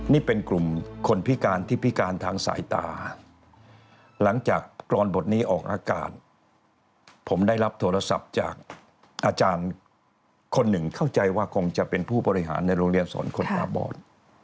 นี่เป็นกลุ่มคนพิการที่พิการทางสายตาหลังจากกรอนบทนี้ออกอากาศผมได้รับโทรศัพท์จากอาจารย์คนหนึ่งเข้าใจว่าคงจะเป็นผู้บริหารในโรงเรียนสอนคนตาบอด